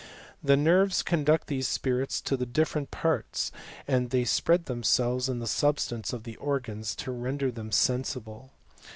The nerves conduct these spirits to die difierent parts, and they spread themselves in the substance of the organs to render them sensible.